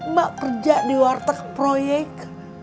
mak kerja di warteg proyek